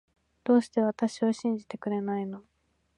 どうして私を信じてくれないの